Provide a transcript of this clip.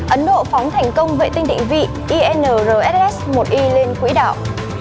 ấn độ phóng thành công vệ tinh định vị inrss một i lên quỹ đảo